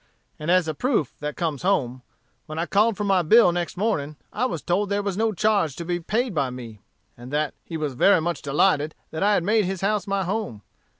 And as a proof that comes home when I called for my bill next morning, I was told there was no charge to be paid by me, and that he was very much delighted that I had made his house my home.